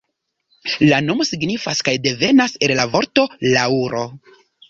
La nomo signifas kaj devenas el la vorto laŭro.